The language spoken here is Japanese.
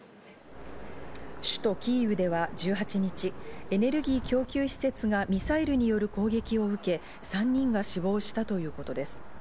首都キーウでは１８日、エネルギー供給施設がミサイルによる攻撃を受け、３人が死亡したということです。